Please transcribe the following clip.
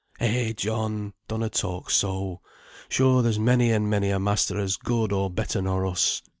"Eh, John! donna talk so; sure there's many and many a master as good or better nor us."